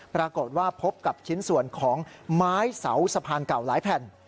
ปรากฏว่าพบกับชิ้นส่วนของไม้เสาสะพานเก่าหลายแผ่น